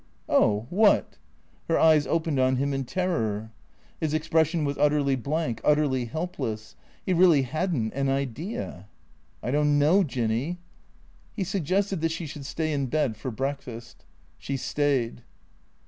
" Oh, what ?" Her eyes opened on him in terror. His expression was utterly blank, utterly helpless. He really had n't an idea. " I don't know. Jinny." He suggested that she should stay in bed for breakfast. She stayed.